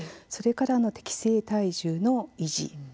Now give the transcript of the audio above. それから適正体重の維持。